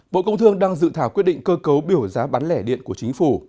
bộ công thương đang dự thảo quyết định cơ cấu biểu giá bán lẻ điện của chính phủ